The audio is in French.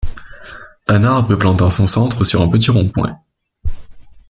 Un arbre est planté en son centre sur un petit rond-point.